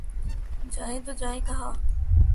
جائیں تو جائیں کہاں؟